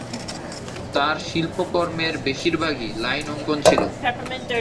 তাঁর শিল্পকর্মের বেশিরভাগই লাইন অঙ্কন ছিল।